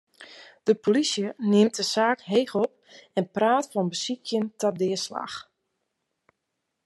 De polysje nimt de saak heech op en praat fan besykjen ta deaslach.